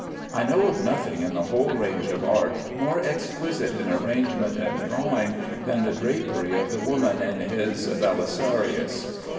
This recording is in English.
I know of nothing in the whole range of art more exquisite in arrangement and drawing than the drapery of the woman in his "Belisarius."